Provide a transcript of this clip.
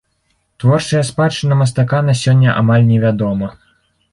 Творчая спадчына мастака на сёння амаль невядома.